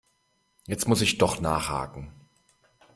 Jetzt muss ich doch nachhaken.